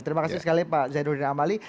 terima kasih sekali pak zainuddin amali